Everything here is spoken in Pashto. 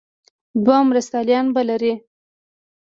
دوه مرستیالان به لري.